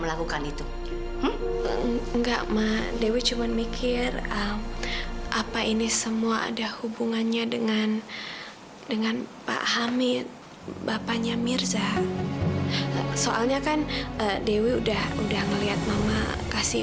aku gak bisa tunggu terlalu lama